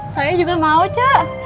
saya juga mau ce